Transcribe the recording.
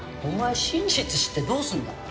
お前真実知ってどうするんだ？